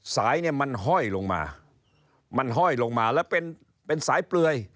สายมันห้อยลงมามันห้อยลงมาแล้วเป็นสายเปลือย